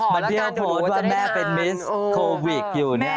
วันที่เขาโพสต์ว่าแม่เป็นมิสโควิดอยู่เนี่ย